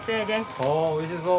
おおおいしそう！